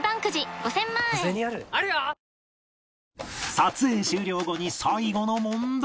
撮影終了後に最後の問題